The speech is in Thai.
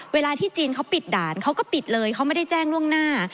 เวลาที่จีนเขาปิดด่านเขาก็ปิดเลยเขาไม่ได้แจ้งล่วงหน้า